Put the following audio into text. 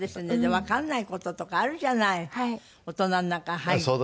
わかんない事とかあるじゃない大人の中入って。